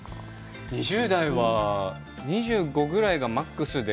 ２０代が２５歳ぐらいがマックスで